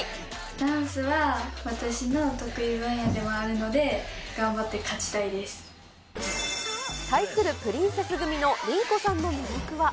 ダンスは私の得意分野でもあ対するプリンセス組のリンコさんの魅力は。